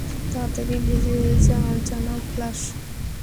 তাড়াতাড়ি বেজে জানাও ফ্লাশ!